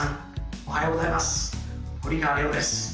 おはようございます堀川りょうです